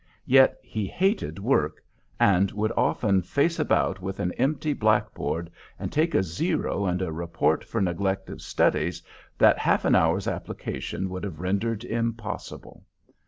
Yet he hated work, and would often face about with an empty black board and take a zero and a report for neglect of studies that half an hour's application would have rendered impossible.